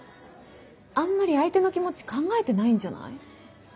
あんまり相手の気持ち考えてないんじゃない？